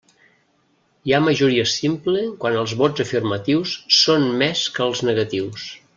Hi ha majoria simple quan els vots afirmatius són més que els negatius.